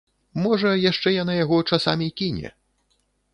Можа, яшчэ яна яго часамі кіне.